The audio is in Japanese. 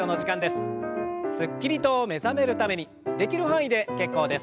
すっきりと目覚めるためにできる範囲で結構です。